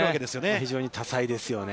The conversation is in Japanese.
非常に多彩ですよね。